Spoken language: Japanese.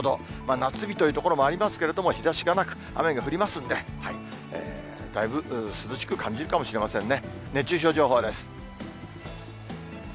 夏日という所もありますけれども、日ざしがなく、雨が降りますんで、だいぶ涼しく感じるかもしれませんね。